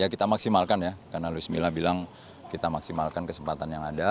kita maksimalkan ya karena luis mila bilang kita maksimalkan kesempatan yang ada